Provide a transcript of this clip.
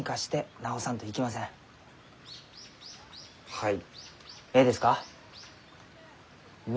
はい。